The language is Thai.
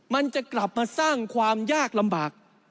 มันจะกลับมาสร้างความยากลำบาก